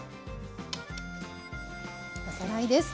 おさらいです。